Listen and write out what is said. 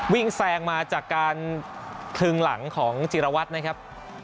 แซงมาจากการคลึงหลังของจิรวัตรนะครับ